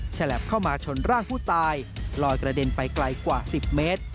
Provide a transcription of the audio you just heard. ฉลับเข้ามาชนร่างผู้ตายลอยกระเด็นไปไกลกว่า๑๐เมตร